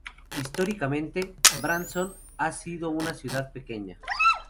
Históricamente, Branson ha sido una ciudad pequeña.